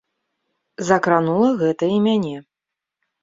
Закранула гэта і мяне.